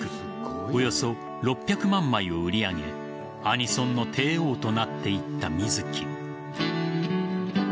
およそ６００万枚を売り上げアニソンの帝王となっていった水木。